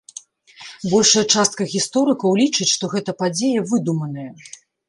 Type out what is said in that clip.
Большая частка гісторыкаў лічыць, што гэта падзея выдуманая.